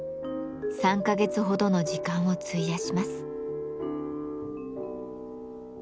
３か月ほどの時間を費やします。